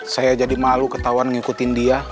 saya jadi malu ketahuan ngikutin dia